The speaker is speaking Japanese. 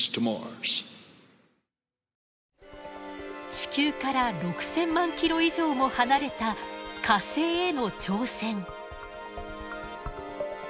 地球から６，０００万キロ以上も離れた火星への挑戦。